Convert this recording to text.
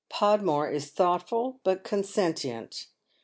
Podmore is thouglitful, but consentient.